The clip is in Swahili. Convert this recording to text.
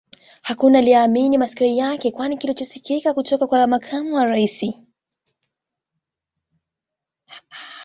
Hakuna aliye yaamini masikio yake kwa kilicho sikika kutoka kwa Makamu wa Rais